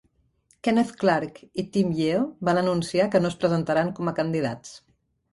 Kenneth Clarke i Tim Yeo van anunciar que no es presentaran com a candidats.